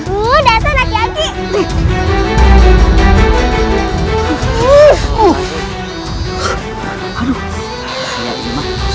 udah senang lagi lagi